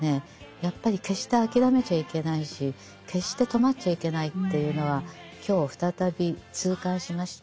やっぱり決して諦めちゃいけないし決して止まっちゃいけないっていうのは今日再び痛感しました。